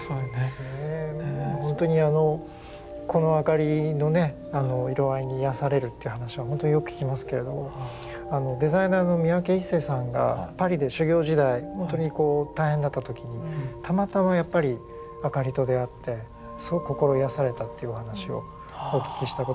本当にこのあかりのね色合いに癒やされるっていう話はほんとによく聞きますけれどもデザイナーの三宅一生さんがパリで修業時代大変だった時にたまたまやっぱりあかりと出会ってすごく心癒やされたっていうお話をお聞きしたことがあります。